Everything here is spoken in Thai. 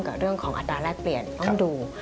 กับเรื่องของอัตราแรกเปลี่ยนต้องดู